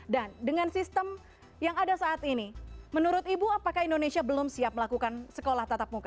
dan dengan sistem yang ada saat ini menurut ibu apakah indonesia belum siap melakukan sekolah tatap muka